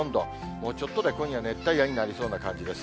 もうちょっとで今夜、熱帯夜になりそうな感じです。